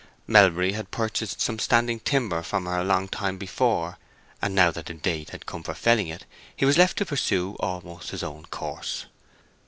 Melbury had purchased some standing timber from her a long time before, and now that the date had come for felling it he was left to pursue almost his own course.